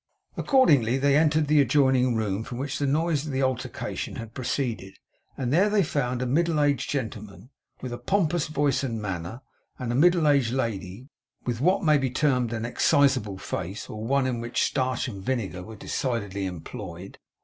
Accordingly they entered the adjoining room from which the noise of altercation had proceeded; and there they found a middle aged gentleman, with a pompous voice and manner, and a middle aged lady, with what may be termed an excisable face, or one in which starch and vinegar were decidedly employed.